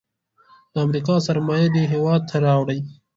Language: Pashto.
د امریکا سرمایه دې هیواد ته راوړي.